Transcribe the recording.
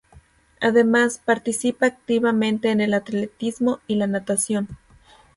Además participa activamente en el atletismo y la natación.